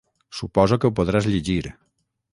Suposo que ho podràs llegir.